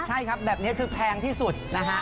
ใช่ครับแบบนี้คือแพงที่สุดนะฮะ